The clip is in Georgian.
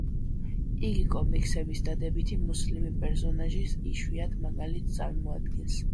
იგი კომიქსების დადებითი მუსლიმი პერსონაჟის იშვიათ მაგალითს წარმოადგენს.